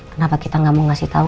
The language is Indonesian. kenapa kita gak mau ngasih tau